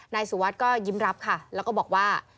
นายสุวัสดิ์ก็ยิ้มรับค่ะแล้วก็บอกว่า